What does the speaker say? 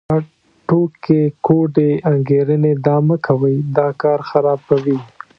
دا ټوټکې، کوډې، انګېرنې دا مه کوئ، دا کار خرابوي.